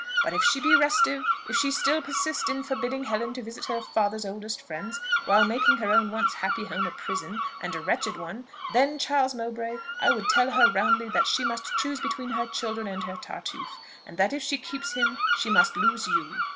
But if she be restive if she still persist in forbidding Helen to visit her father's oldest friends, while making her own once happy home a prison, and a wretched one, then, Charles Mowbray, I would tell her roundly that she must choose between her children and her Tartuffe, and that if she keeps him she must lose you."